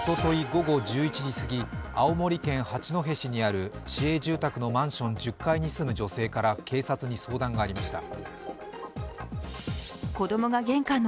午後１１時過ぎ、青森県八戸市にある市営住宅のマンション１０階に住む女性から警察に相談がありました。